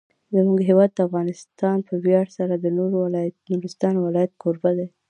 زموږ هیواد افغانستان په ویاړ سره د نورستان ولایت کوربه دی.